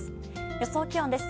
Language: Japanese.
予想気温です。